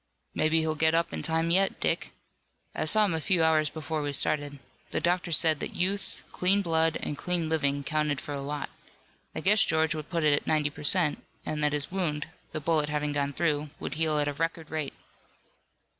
"Maybe he'll get up in time yet, Dick. I saw him a few hours before we started. The doctors said that youth, clean blood and clean living counted for a lot I guess George would put it at ninety per cent, and that his wound, the bullet having gone through, would heal at a record rate."